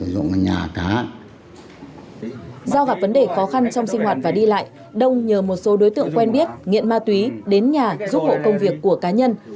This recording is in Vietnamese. do gặp vấn đề khó khăn trong sinh hoạt và đi lại đông nhờ một số đối tượng quen biết nghiện ma túy đến nhà giúp hộ công việc của cá nhân